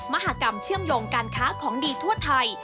มหากรรมเชื่อมโยงการค้าของดีทั่วไทย